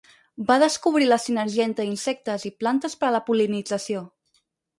Va descobrir la sinergia entre insectes i plantes per a la pol·linització.